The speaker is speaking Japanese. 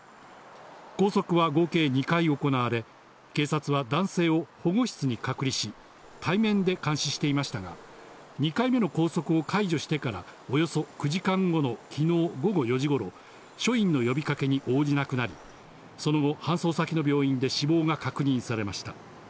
拘束は合計２回行われ、警察は男性を保護室に隔離し、対面で監視していましたが、２回目の拘束を解除してから、およそ９時間後の昨日午後４時頃、署員の呼びかけに応じなくなり、その後、搬送先の病院で死亡が確認されました。